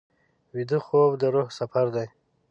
ویده خوب د روح سفر دی